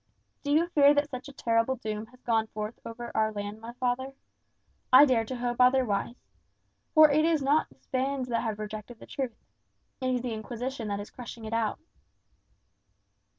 Do you fear that such a terrible doom has gone forth over our land, my father? I dare to hope otherwise. For it is not the Spains that have rejected the truth. It is the Inquisition that is crushing it out."